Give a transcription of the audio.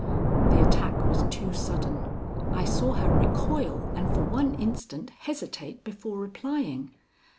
The attack was too sudden. I saw her recoil and for one instant hesitate before replying.